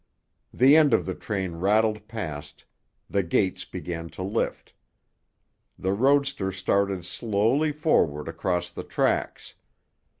The end of the train rattled past; the gates began to lift. The roadster started slowly forward across the tracks.